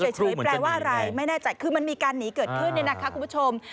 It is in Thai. แปลว่าอะไรไม่แน่ใจคือมันมีการหนีเกิดขึ้นเนี่ยนะคะคุณผู้ชม